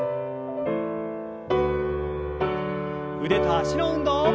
腕と脚の運動。